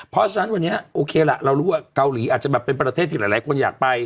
เพราะฉะนั้นวันนี้โอเคล่ะเรารู้ว่าเกาหลีอาจจะแบบเป็นประเทศที่หลายคนอยากไป